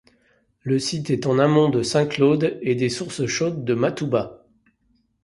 Le site est en amont de Saint-Claude et des sources chaudes de Matouba.